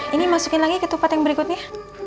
ini masukin lagi ke tempat yang berikutnya